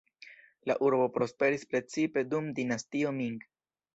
La urbo prosperis precipe dum Dinastio Ming.